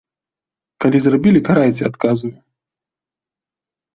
Калі зрабілі, карайце, адказваю.